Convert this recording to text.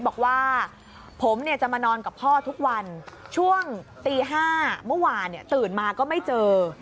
บอกว่าผมจะมานอนกับพ่อทุกวันช่วงตี๕เมื่อวานตื่นมาก็ไม่เจอ